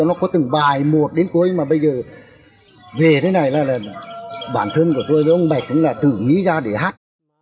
nó có từng bài một đến cuối mà bây giờ về thế này là bản thân của tôi với ông bạch cũng là tự nghĩ ra để hát